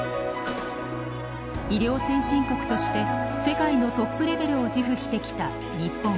医療先進国として世界のトップレベルを自負してきた日本。